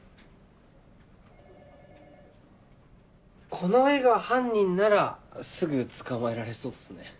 この絵が犯人ならすぐ捕まえられそうっすね。